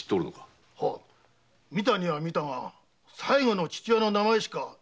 見たには見たが最後の父親の名前しか読めなかったと。